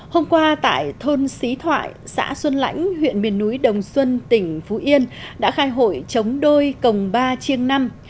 hôm qua tại thôn xí thoại xã xuân lãnh huyện miền núi đồng xuân tỉnh phú yên đã khai hội chống đôi cồng ba chiêng năm